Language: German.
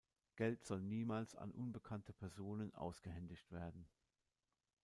Geld soll niemals an unbekannte Personen ausgehändigt werden.